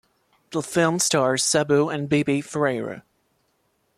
The film stars Sabu and Bibi Ferreira.